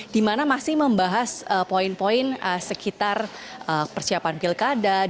di mana masih membahas poin poin sekitar persiapan pilkada